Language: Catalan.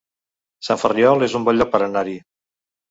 Sant Ferriol es un bon lloc per anar-hi